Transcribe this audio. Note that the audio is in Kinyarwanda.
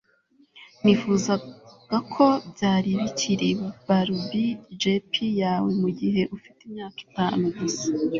nifuzaga ko byari bikiri barbie jeep yawe mugihe ufite imyaka itanu gusa